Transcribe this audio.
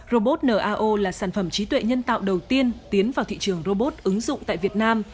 robot no là sản phẩm trí tuệ nhân tạo đầu tiên tiến vào thị trường robot ứng dụng tại việt nam